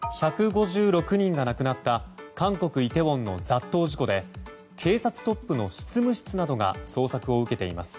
１５６人が亡くなった韓国イテウォンの雑踏事故で警察トップの執務室などが捜索を受けています。